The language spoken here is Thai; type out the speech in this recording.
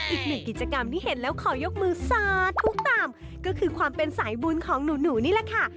อีกหนึ่งกิจกรรมที่เห็นแล้วขอยกมือสาธุตามก็คือความเป็นสายบุญของหนูนี่แหละค่ะ